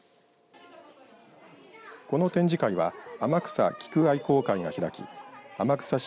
この展示会は天草菊愛好会が開き天草市